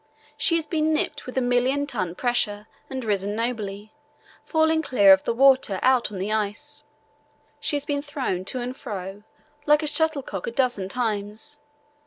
She has been nipped with a million ton pressure and risen nobly, falling clear of the water out on the ice. She has been thrown to and fro like a shuttlecock a dozen times.